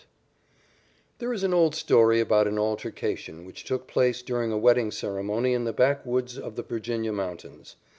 _ There is an old story about an altercation which took place during a wedding ceremony in the backwoods of the Virginia mountains.